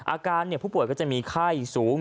อาการผู้ป่วยก็จะมีไข้สูง